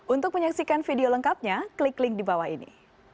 untuk menyaksikan video lengkapnya klik link di bawah ini